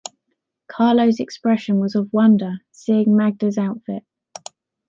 Carlo’s expression was of wonder, seeing Magda’s outfit.